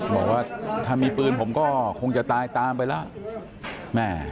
บอกว่าถ้ามีปืนผมก็คงจะตายตามไปแล้วแม่